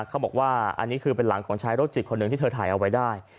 เขาบอกว่าอันนี้คือเป็นหลังของชายโรคจิตคนหนึ่งที่เธอถ่ายเอาไว้ได้